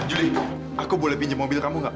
juli aku boleh pinjam mobil kamu gak